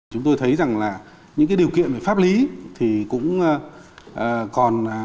chúng tôi thấy rằng là những điều kiện về pháp lý thì cũng còn